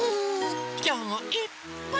きょうもいっぱい。